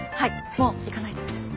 もう行かないとです。